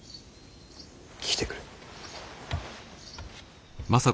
来てくれ。